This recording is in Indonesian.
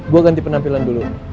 gua ganti penampilan dulu